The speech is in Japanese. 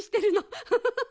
フフフフフ！